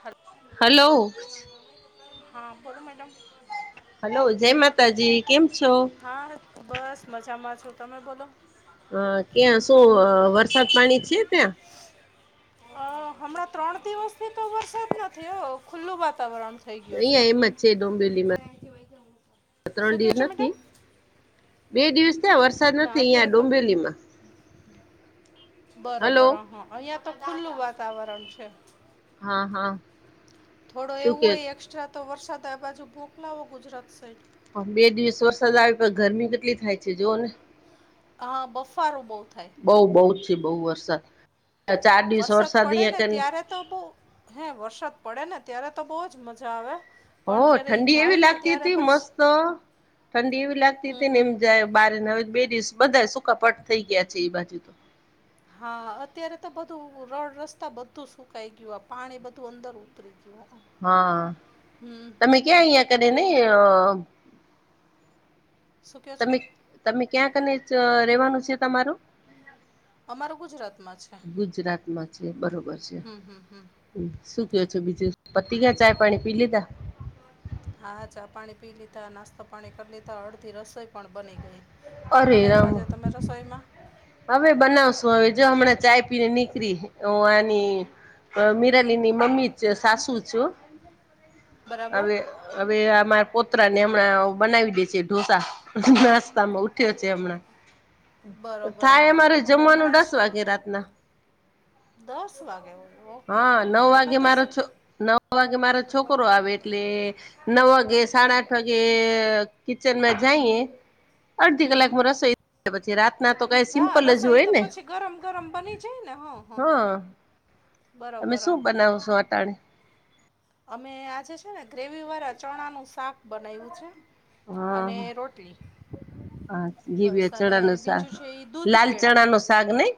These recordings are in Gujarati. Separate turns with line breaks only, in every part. હત.
હલો.
હા બોલો મેડમ.
હલો જય માતાજી કેમ છો.
હા બસ મજામાં છો તમે બોલો.
હ ક્યાં શું વરસાદ પાણી છે ત્યાં.
અ હમણાં ત્રણ દિવસથી તો વરસાદ નથીયો ખુલ્લું વાતાવરણ. થઈ ગયું
અહિયાં એમજ છે ડોમબિલીમાં ત્રણ
શું કહો
દિવસ
છો મેડમ
નથી. બે દિવસ ત્યા વરસાદ
ના
નથી અહં
અત્યારે તો
ડુંબેલીમાં. હલો
બરોબર હ હા અહિયાં તો ખુલ્લું વાતાવરણ છે.
હા હા.
થોડો
શું
એવું
કે
હોય એક્સ્ટ્રા તો વરસાદ આ બાજુ મોકલાવો ગુજરાત સાઈડ.
પણ બે દિવસ વરસાદ આવે પણ ગરમી કેટલી થાય છે જોઓ ને.
હા બફારો બહુ થાય.
બઉ બહુજ છે બઉુ વરસાદ ચાર દિવસ વરસાદ
પડે ને
અહિયાં કે.
ત્યારે તો બહ હે વરસાદ પડે ને ત્યારે તો બહજ મજા આવે.
હો
પણ જયારે એ
ઠંડી
જાય
એવી
ને
લાગતી
ત્યારે
હતી
પછી
મસ્ત. ઠંડી એવી લાગતી
હમ
હતી ને
હમ
એમ જાય બારે ને હવે બે દિવસ બધા સકાપાટ થઈ ગયા છે એ બાજુ તો.
હા અત્યારે તો બધું રોડ રસ્તા બધું સુકાઈ ગયું આ પાણી બધું અંદર ઉતરી. જો.
હા તમે ક્યા અહિયાં કરે નને.
શું કયો છો
તમે તમે ક્યાં કને રેવાનું છે તમારું?
અમારું ગુજરાતમાં છે
ગુજરાતમાં છે બરોબર છે.
હમ હમ હમ
શું કો છો બીજું પતિ ક્યાં ચાય પાણી પી લીધા.
હા ચા પાણી પી લીધા નાસ્તા પાણી કરી લીધા અડધી રસોઈ પણ બની ગઈ. શું
અરે
બનાવ્યું
રામ
આજે તમે રસોઈમાં.
હવે બનાવશું હવે જો હમણાં ચાય પીને નીકળી આની. મિરાલીની મમ્મી છે સાસુ છું
બરાબર
હવે. હવે અમારા પોતરા ને હમણાં બનાવી દે છે ઢોસા. નાસ્તામાં ઉઠ્યો છે હમણાં.
બરોબર
થાય
હા
અમારે
અમે
જમવાનું
હમણાં જ
દસ વાગે રાતના.
દસ વાગે હોય ઓકે
હા નવ
અમે
વાગે
તો
મારો
સ-
છ નવ વાગે મારો છોકરો આવે. એટલે નવ વાગે સાડા આઠ વાગે. કિચનમાં જઈએ અડધી
હમ હમ
કલાકમાં રસોઈ પછી રા. ના તો કઈ
હા
સિમ્પલ જ
રસોઈ
હોય
તો
ને
પછી ગરમ ગરમ બની જાય ને
હા. તમે
બરોબર
શું
હા
બનાવ છો અટાણી.
અમે આજે છે ને ગ્રેવી વાળા ચણાનું શાક બનાવ્યું છે.
હા
અને રોટલી.
હા
બસ
ઘીબીયા
અને
ચણાનું શાક
બીજું છે એ દૂધ
લાલ
કેળા-
ચણા નું શાક નહી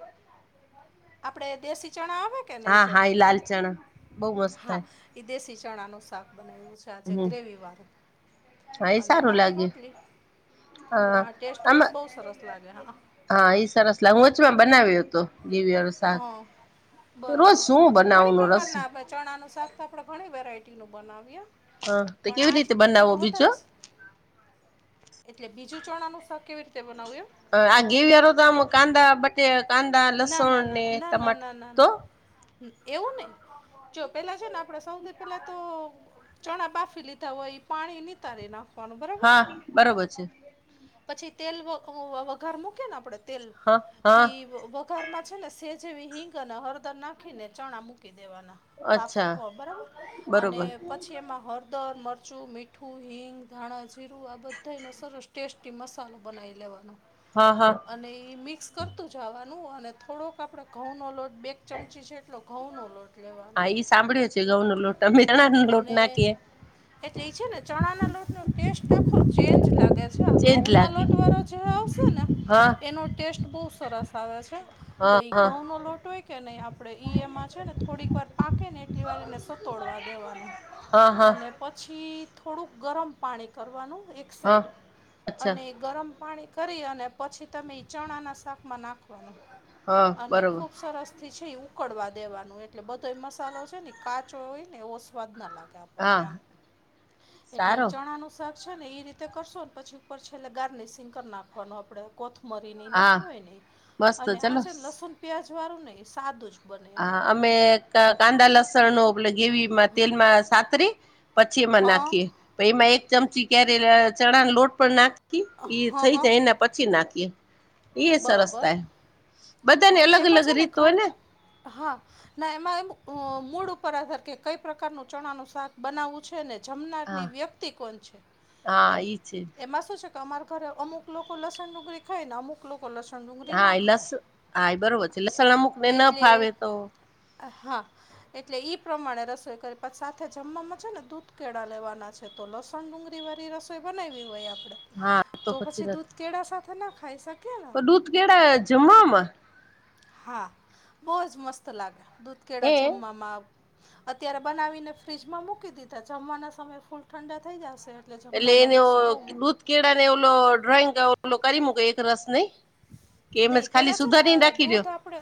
આપડે દેશી ચણા આવે કે નહી
હા
છે
હા એ લાલ ચણા બહુ મસ્ત થાય
હા- વિદેશી ચણાનું શાક બનાવ્યું છે. ચછા છે
હમ
ગ્રેવીવાળું
હા એ
અને
સારું
બાકી
લાગે
રોટલી. હા ટેસ્ટ વાઈઝ બહુ સરસ લાગે હા.
હા ઈ સરસલા હુંચમાં બનાવ્યો હતો દવીસ. સા
હા બરોબર
રોજશું
ઘણી
બનાવનું રસ.
પ્રકારના આપણે ચણાનું શાક તો આપણે ઘણી વેરાયટીનું બનાવીએ.
હા તો
પણ
કેવી
આ છે
રીતે
ને
બનાવો
થોડું
બીજો
વધારે છે. એટલે બીજું ચણાનું શાક કેવી રીતે બનાવું એમ.
આ ઘેવીર તો આમ કાંદા બટે કાંદા
ના
લસુણ
ના ના
ને
ના ના
ટમાટા
ના ના ના
તો.
એવું નહી જો પેલા છે. ને આપણે સૌથી પેલા તો. ચણા બાફી લીધા હોય પાણી નીતારે નાખ.
હા બરોબર છે.
પછી તેલ વઘાર મૂકી ને આપડે તેલ
હા હા
ઈ- વઘારમાં છે ને સે જેવી હિંગ અને હળદર નાખીને ચણા મૂકી દેવાના- બાફ
અચ્છા
બરાબર
બરોબર
અને- પછી એમાં હળદર મરચું મીઠું હિંગ ધાણા જીરું આ બધા ન સરસ- ટેસ્ટી મસાલો બનાવી લેવાનો-
હા હા-
અને એ મિક્સ કરતું જવાનું અને થોડોક આપણે ઘઉંનોો લોટ બે ચમચી જેટલો- ઘઉં નો રોટલી
હા ઈ સાંભળ્યો છે ઘઉ નો લોટમેીરણા નો લોટ
અને
નાખીએ-
એટલે છે ને ચણા ના લોટ ન ટેસ્ટ આખો ચેન્જ લાગે- લ છે આ ઘઉ
ચેન્જ
ના
લાગે
લોટવાળો જે આવશે ને
હા
એનો ટેસ્ટ બહુ સરસ આવે છે. તો
હા
ઈ
હા
ઘઉં નો લોટ હોય કે નહી આપડે ઈ એમાં છે ને થોડીક વાર પાકે ને એટલી વાર સતોડવા દેવાનું
હા હા
અને પછી થોડુંક ગરમ પાણી કરવાનું એક
હા
સાઇડ
અચ્છા
અને ગરમ- પાણી કરી અને પછી તમે એ ચણાના શાકમાં નાખવાનું
હા
અને
બરોબર
ખૂબ સરસ- થી છે એ ઉકળવા દેવાનું એટલે બધો એ મસાલો છે ને કાચો હોય ને એવો સ્વાદ ના લાગે-
હા
આપને એટલે
સારો
ચણાનું- શાક છે ને એ રીતે કરશો ને પછી ઉપર છેલ્લે ગારને સિગ કરી નાખવાનો આપણે કોથમરીની
હા
નાખી હોય
મસ્ત
અને આ
ચલો
છે લસુણ પ્યાજ વાળું નહીિ સાદું જ બને એમ
હા અમે કાંદા લસણ ન ગેવીમાં તેલમાં સાતરી પછી
હ
એમાં નાખીએ પ એમાં એક ચમચી ક્યારે ચણા ન લોટ પણ નાખી નાી એ
હ
થઈ
હ
જાય એના પછી નાખીએ એઇ એસરસ
બરોબર
થાય બધા ને
એટલે
અલગ
એમાં
અલગ
છે
રીત હોય
ઘણ
ને
હા ના એમાં એમ મૂડ ઉપર આધાર કે કઈ પ્રકારનું ચણાનું શાક બનાવવું છે ને જમનારની
હા
વ્યક્તિ કોણ છે
હા
એમાં
ઈ છે
એમાં શું છે અમારા ઘરે અમુક લોકો લસણ ડુંગરી ખાય ને અમુક લોકો લસણ ડુંગળી
હા
ન
એ લસ હા એ બરોબર છે
ખાય
લસણ અમુક ને ન
એટલે
ફાવે તો
હા એટલે ઈ પ્રમાણે રસોઈ કરી પછ સાથે જમવામાં છે ને દૂધ કેળા લેવાના છે તો લસણ ડુંગળી વાળી રસોઈ બનાવી હોય આપડે તો પછી દૂધ કેળા સાથે ના ખાઈ શકો
પણ દૂધ કેળા જમવામા
હા બહુજ મસ્ત લાગે દૂધકેળા
હે
જમવામાં અત્યારે બનાવીને ફ્રીજમાં મૂકી દીધા જમવાના સમયે ફૂલ ઠંડા થઈ જશે. એટલે જમવામાં લ સુ બહમાં. [unintelligible]
કેળ ને ઓલો ડ્રોઈંગ ઓલો કરી મૂકે એક રસ નઈ. કે એમજ
નહી
ખાલી
પેલા છે ને
સુધારી રાખી દયો
દૂધ આપડે.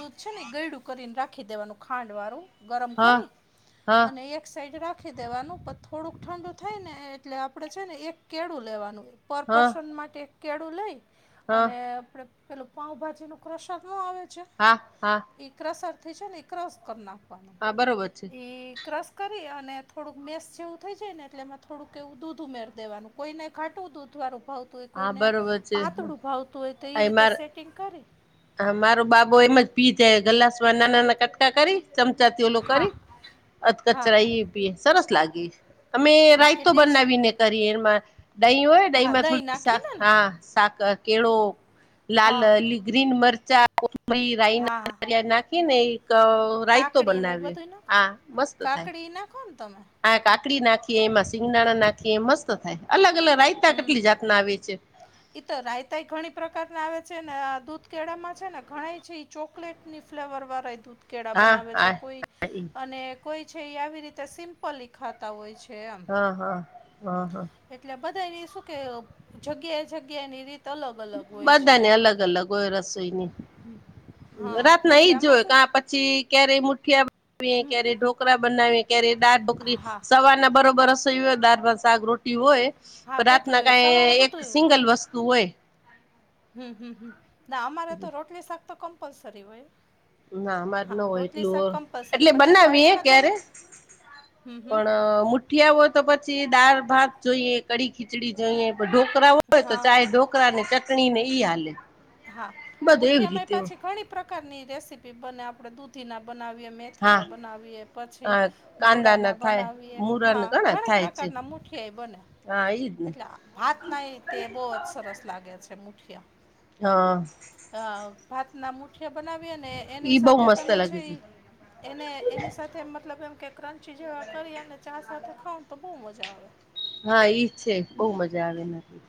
દૂધ છે ને એ ગયડું કરીને રાખી દેવાનું ખાંડ વાળું. ગરમ
હા
કરી
હા
અને એક સાઈડ રાખવુ નાખી દેવાનું પણ થોડુંક ઠંડુ થાય ને એટલે આપણે છે ને એક કેળું લેવાનું પર
હા
પર્સન માટે કેળું લઈ
હા
અને આપણે પેલું પાઉભાજીનું ક્રસક ન આવે છે
હા હા
એક રસ અર્થે હને એક રસ કરી નાખવાનો
હા બરોબર છે
એ ક્રશ કરી અને થોડુંક મેસ જેવું થઈ જાય ને એટલે એમાં થોડુંક એવું દૂધ ઉમેરી દેવાનું કોઈને ખાટું દૂધવાર ઉભાવતું હોય
હા
કોઈને
બરોબર છે
પાતળું ભાવતુહોય તો એ રીતે સેટિંગ કરી
પીધાય ગલાસમાં નાના નાના કટકા કરી ચમચાથી ઓલો
હા
કરી અધ
હા
કચરા એ સરસ લાગી અમે
હા
રાયતો
એટલે જ
બનાવીને કરીએ એમાં દહીં હોય દહીં
હા
માં થોડી સા
નાખીને ને
હા સાક કેળો લાલ
હા
ગ્રીન મરચા રી રઈ
હા
નાિયાદ નાખી ને એક રાયતો
કાકડી
બનાવીએ આા મસ્ત થાય.
પનાખ તમે.
આ કાકડી નાખીએ એમાં સિંગદાણા નાખીએ મસ્ત થાય અલગ અલગ રાયતા
હમ
કેટલી જાતના આવે છે.
ઈ તો રાયતાાય ઘણી પ્રકાર ના આવે છે ને આ દૂધ કેળામાં છે ને ઘણ છે ચોકલેટ. ની ફ્લેવર વાર દું. કેળા
હા
બનાવે
હા
છે કોઈ અને કોઈ છે એ આવી રીતે સિમ્પલી ખાતા હોય છે.
હા, હા, હા, હા
એટલે બધાની શું કે જગ્યાએ જગ્યા ની રીત. અલગ અલગ હોય છે હ.
બધાને અલગ રાત ના એઈજ જોય ક પછી ક્યારેય મુઠી.
હમ
ક્યારે ઢોકરા બનાવીએ ક્યારે દાઢ બકરી
હા
સવાર ના બરોબર. દારમાં શક રોટી હોય
હા
પણ
બધું
રાતના
હોય સવારે
કાઈ એક
બધું હોય
સિંગલ વસ્તુ હોય.
હમ, હમ, હમ ના અમારે તો રોટલી શાક તો કમ્પલસરી હોય.
ના અમાર ન
હા
હોય
રોટલી શાક
એટલું
કમ્પલસરી
એટલે
પછી
બનાવીએે
સાઈડમાં
ક્યારે?
તમે હમ હમ
પણ મુ. ઉઠિયા હોય તો પછી દાળ ભાત જોઈએ, કડીી ખીચડી જોઈએ, ઢોકરા હોય તો
હા
ચાહે
હા
ઢોક. છોકરા ને ચટણી ઈ હાલે.
હા,
બધું એવી
મુઠિયામાય
રીતે હોય.
પાછી ઘણી પ્રકારની રેસીપી બને આપડે દૂધી ના. બનાવીએ મેથી
હા
ના બનાવીએ પછી
હા કાંદા
મળા ના
થાય
બનાવીએ
મુરા ના
હા
ઘણા
ઘણી
થાય
પ્રકાર.
છે
ટ ના મૂઠાય બન.
હા એ જ
ભાત ના તે બહુ જ સરસ લાગે છે મુઠિયા.
હા.
અ ભાતના મુઠિયા બનાવી ને એની
ઈ બહુ
સાથે
મસ્ત
તમે છે.
લાગે
એને એની સાથે મતલબ એમ કે ક્રંચી જેવા કરી અને ચા સાથે ખાવ તો બહુ મજા આવે.
હા ઈજ છે, બહુ મજા આવે નથી.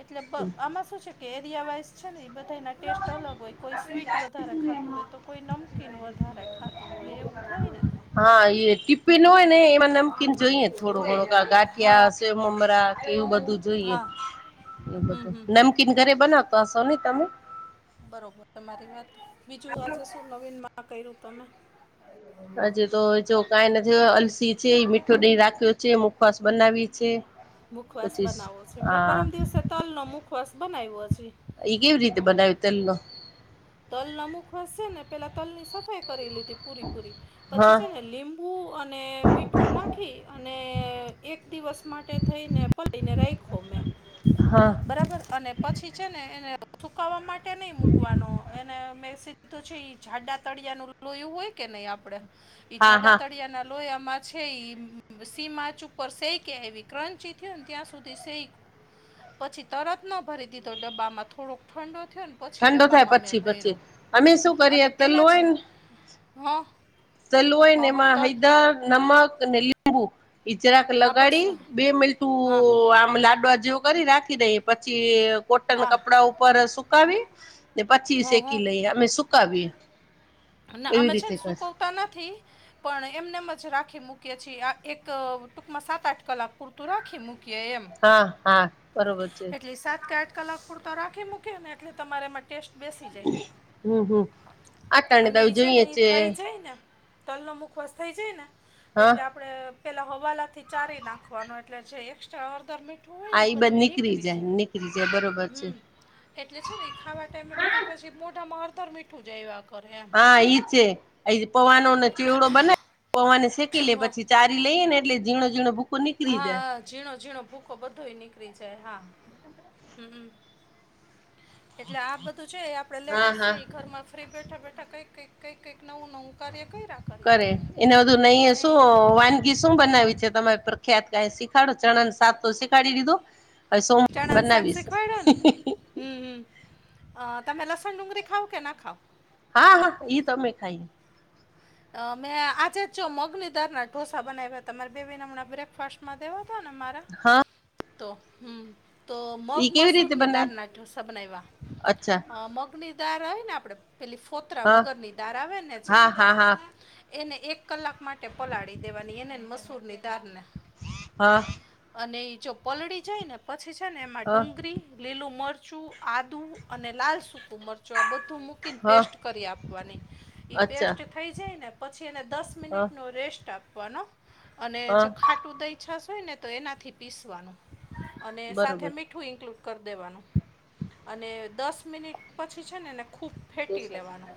એટલે આમાં શું છે કે એરિયા વાઈઝ છે ને એ બધા. તો એના ટેસ્ટ અલગ હોય કોઈ સ્વીટ વધારે ખાતું હોય તો કોઈ નમકીન વધારે ખાતું હોય એવું. થને એમાં.
હા એ ટ [unintelligible] પિનોઈને એ મન કિં જોુએત. થોડું ઘડું
હા
ગાંઠિયા સ્મમરા કે એવું બધું જોઈએ
હા
એ
હમ
બધું
હમ હમ
નમકીન ઘરે બનાવતો હશો ને તમે
બરોબર તમારી વાત બીજું આજે શું નવીન માં કર્યું તમે
હજ તો જો કઈ નથી અલસી છે મીઠો દ રાખ્યો છે મુખવાસ બનાવી છે.
મુખવાસ
પચીસ
બનાવો છે મેં
હા
પરમ દિવસે તલ નો મુખવાસ બનાવ્યો છે.
એગ એવી રીતે બનાવી તેલનો.
તલ નમુકવાસશે ને પેલા તલ ની સફાઈ કરી લીધી પૂરી પૂરી
હા
પછી છે ને લીમ. પૂ અને મીઠું નાખી? અને એક દિવસ માટે થઈને. થઈને રાઈખોમે.
હા.
બરાબર અને પછી છે ને એને સુકાવા માટે નહી મૂકવાનો એને મે તો છે જાડા તળિયા નું લોહીું હોય કે નહી આપડે ઈ
હા
જાડા
હા
તળિયા ના લોહયામાં. છે સી માચ ઉપર સે કે એ ક્રંચી થય ને ત્યાં સુધી સેક પછી તરત ન ભરી દીધો ડબ્બામાં થોડોક ઠંડો થયો ને. પછી
ઠંડો થાય
ડબ્બામાં મેં
પછી
ભય્યો
પછી અમે શું
અને
કરીએ તલ
પહેલાં જ હં
સલોય ને એમાં હૈદર નમક ને લીંબુ. ઈજરાક
હા બસ
લગાડી બે મીઠું
હા હા
આમ લાડો જે. કરી રાખી દઈ પછી કોટન
હા
કપડા ઉપર સુકાવી. ને પછી
હ હ
શેકી લઈ અમે સુકાવી.
ના અમે છે ને સુકવતા નથી. પણ એમને એમ જ રાખી મૂકીએ છીએ આ એક ટૂંકમાં સાત આઠ કલાક પૂરતું રાખી મૂકીએ એમ
હા હા બરોબર છે.
એટલી સાત કે આઠ કલાક પૂરતો રાખી મૂક્યો ને એટલે તમારે માટે ટેસ્ટ બેસી
હમ
જાય
હમ આટાણે
અને
તો
છે
જોઈએ
ને એ થઈ જાય ને તલનો મુખવાસ થઈ જાય ને
હા
એટલે આપણે પેલા હવાલા થી ચારી નાખવાનો એટલે જે એક્સ્ટ્રા હળદર મીઠું હોય
આ
ને
ઈ
બધ તો એની
નીકળી
કરી
જાય
છે,
નીકળી જાય બરોબર છે
હમ્મ એટલે છે ને એ ખાવા ટાઈમે બધે પછી મોઢામાં અળતર મીઠું જાય એવાક
હા ઈ છે, એ પવાનોને ચેવડો બના પવાને શેકી લે
હો
પછી. ચારી લઈએને એટલે ઝીણો ઝીણો ભૂ
હા હ ઝીણો ઝીણો ભૂકો બધો નીકળી જાય હા હમ એટલે આ બધું છે આપડે
હા
લેડીસ
હા
ઘર માં ફરી બેઠા બેઠા કઈ કક કઈ કક નવ નવ કર્યા કઈ
કરે એને બધું નહી શું વાન શું બનાવી છે ત પ્રખ્યાત ક શીખાડો ચણ સાત શીખાડી દીધો હવે સોમ
ચણન
બનાવીશ
સાક્સખવાડન હમ્મ હમ્મ, અ તમે લસણ ડુંગરી ખાવ કે ના ખાવ?
હા હા ઈ તમે ખાઈ.
અ મેં આજે જ જો, મગનીદાર ઢોસા બનાવ્યા, તમારે બેબી ને હમણાં બ્રેકફાસ્ટ માં દેવા તો ને મારા,
હા
તો હમ્મ તો મગ
ઈ કેવી
મસૂર
રીતે
ની દાળ
બનાવે
ના ડોસા બનાવ્યા,
અચ્છા
અ મગ ગ ની દાર આવેને આપડે, પેલી ફોતરા
હા
વગર ની દાર આવે ને જે.
હા હા હા
એને એક કલાક માટે પલાળી દેવાની, એને મસૂર ની દારને.
હા
અને ઈ જો પલળી જાય ને, પછી છે ને એમાં
હા
ડુંગળી, લીલું મરચું, આદ દુ અને લાલ સૂકું મરચું, આ બધું મૂકીને
હા
પેસ્ટ કરી આપવાની. ઈ
અચ્છા
પેસ્ટ થઈ જાય ને, પછી એને દસ
હા
મિનિટનો રેસ્ટ આપવાનો, અને જો
હા
ખાટ ટુ દહીં, છાશ હોય ને તો એનાથી પીસવાનું, અને સાથે
બરોબર
મીઠું ઇન્કલુડ કર દેવાનું, અને દસ મિનિટ પછી છે ને ને ખૂબ ફેટી લેવાનો,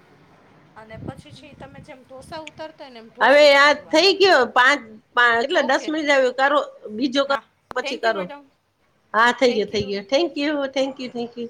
અને પછી છે તમે જેમ ઢોસા ઉતરતા
હવે આ થઈ ગયો પાંચ પા એટલે દસ
ઓકે
મિનિટ ઉતારો બીજો કર
હા થેન્ક યુ મેડમ.
હા થઈ ગયો,
થેન્ક
થઈ
યુ
ગયો, થેન્કયુ, થેન્કયુ, થેન્કયુ.